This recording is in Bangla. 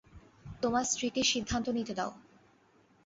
তোমার স্ত্রীকে সিদ্ধান্ত নিতে দাও।